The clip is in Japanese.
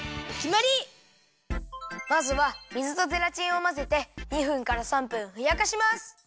まずは水とゼラチンをまぜて２分から３分ふやかします。